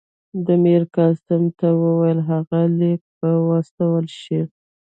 ده میرقاسم ته وویل هغه لیک به واستول شي.